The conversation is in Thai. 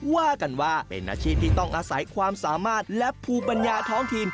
ว่ากันว่าเป็นอาชีพที่ต้องอาศัยความสามารถและภูมิปัญญาท้องถิ่น